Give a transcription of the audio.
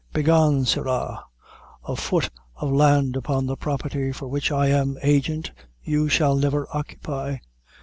Begone, sirra; a foot of land upon the property for which I am agent you shall never occupy.